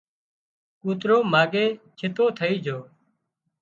ڪوترو ماڳئي ڇتو ٿئي جھو